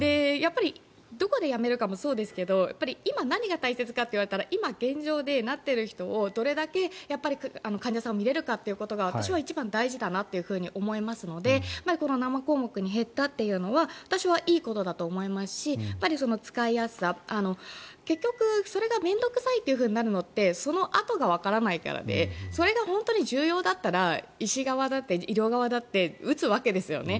どこでやめるのかもそうですが今、何が大切かって言われたら現状でなっている人をどれだけ患者さんを診れるかっていうことが私は一番大事だなと思いますのでこの７項目に減ったのは私はいいことだと思いますし使いやすさ、結局それが面倒臭いってなるのってそのあとがわからないからでそれが本当に重要だったら医師側だって、医療側だって打つわけですよね。